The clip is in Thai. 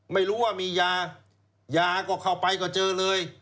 ไม่รู้ว่ามียายาก็เข้าไปก็เจอเลย